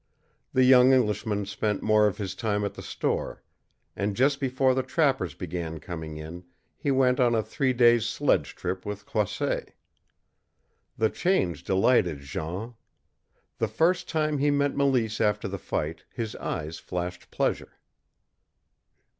The young Englishman spent more of his time at the store; and just before the trappers began coming in, he went on a three days' sledge trip with Croisset. The change delighted Jean. The first time he met Mélisse after the fight, his eyes flashed pleasure.